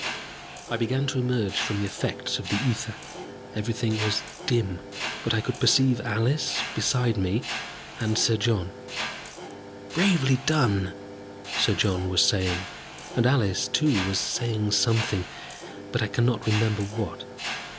I began to emerge from the effect of the ether. Everything was dim, but I could perceive Alice beside me, and Sir John. "Bravely done!" Sir John was saying, and Alice, too, was saying something, but I cannot remember what.